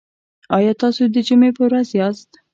ایا تاسو د جمعې په ورځ یاست؟